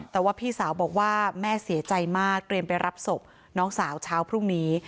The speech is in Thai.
แต่ว่าพี่สาวบอกว่าแม่เสียใจมากเตรียมไปรับศพน้องสาวเช้าพรุ่งนี้